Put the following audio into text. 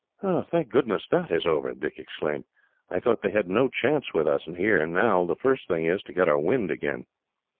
"Thank goodness that is over," Dick exclaimed. "I thought they had no chance with us, here. Now the first thing is to get our wind again."